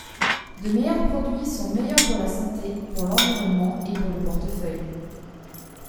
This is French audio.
De meilleurs produits sont meilleurs pour la santé, pour l'environnement et pour le portefeuille.